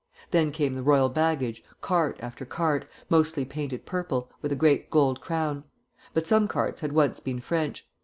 Then came the royal baggage, cart after cart, mostly painted purple, with a great gold crown; but some carts had once been French.